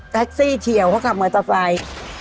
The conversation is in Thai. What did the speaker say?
แท็กซี่เฉี่ยวเขาขับมือตะไฟ